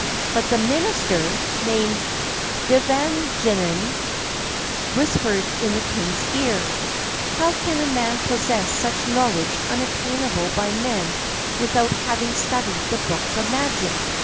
But the minister, named Devajnanin, whispered in the king's ear: "How can a man possess such knowledge unattainable by men without having studied the books of magic?